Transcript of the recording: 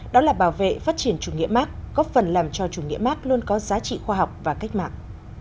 đó là bảo vệ phát triển chủ nghĩa mark góp phần làm cho chủ nghĩa mark luôn có giá trị khoa học và cách mạng